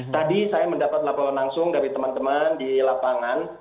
tadi saya mendapat laporan langsung dari teman teman di lapangan